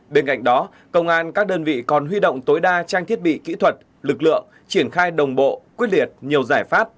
bên cạnh đó công an các đơn vị còn huy động tối đa trang thiết bị kỹ thuật lực lượng triển khai đồng bộ quyết liệt nhiều giải pháp